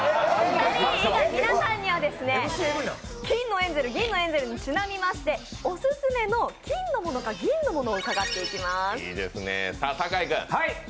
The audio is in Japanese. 皆さんには金のエンゼル銀のエンゼルにちなみましてオススメの金のモノか銀のモノ伺っていきます。